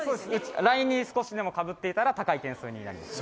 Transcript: ラインに少しでもかぶっていたら高い点数になります。